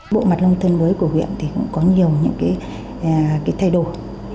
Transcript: bộ mặt nông thôn mới của huyện thì cũng có nhiều những cái thay đổi